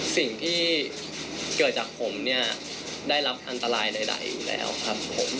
สิ่งที่เกิดจากผมเนี่ยได้รับอันตรายใดอยู่แล้วครับผม